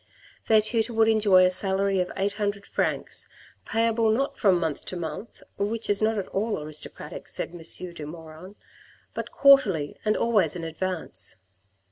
Their tutor would enjoy a salary of 800 francs, payable not from month to month, which is not at all aristocratic, said M. de Maugiron, but quarterly and always in advance.